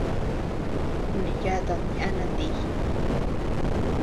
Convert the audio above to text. Kuneyatad yana ti.